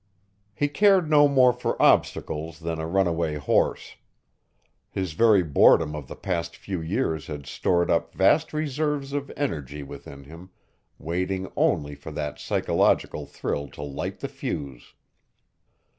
He cared no more for obstacles than a runaway horse. His very boredom of the past few years had stored up vast reserves of energy within him, waiting only for that psychological thrill to light the fuse.